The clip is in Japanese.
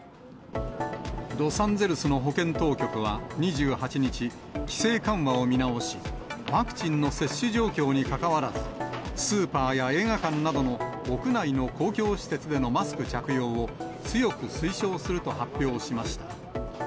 ロサンゼルスの保健当局は２８日、規制緩和を見直し、ワクチンの接種状況にかかわらず、スーパーや映画館などの屋内の公共施設でのマスク着用を強く推奨すると発表しました。